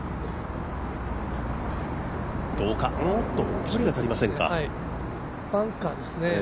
おっと、距離が足りませんかバンカーですね。